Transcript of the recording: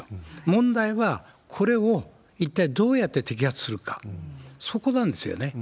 問題は、これを一体どうやって摘発するか、そこなんですよね。